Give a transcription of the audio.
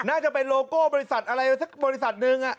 น่าจะเป็นโลโก้บริษัทอะไรสักบริษัทหนึ่ง